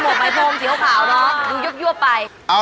หมวกปีกดีกว่าหมวกปีกดีกว่า